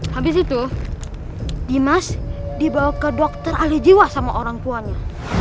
habis itu dimas dibawa ke dokter ahli jiwa sama orang tuanya